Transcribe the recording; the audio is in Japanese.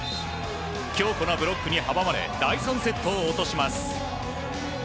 強固なブロックに阻まれ第３セットを落とします。